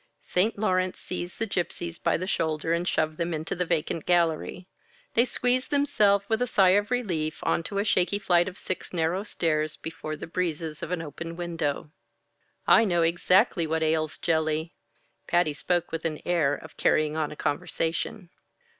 St. Laurence seized the Gypsies by the shoulder and shoved them into the vacant gallery. They squeezed themselves, with a sigh of relief, onto a shaky flight of six narrow stairs before the breezes of an open window. "I know exactly what ails Jelly!" Patty spoke with the air of carrying on a conversation.